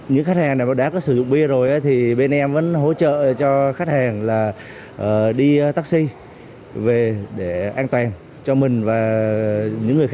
những khách hàng đã có sử dụng bia rồi thì bên em vẫn hỗ trợ cho khách hàng là đi taxi về để an toàn cho mình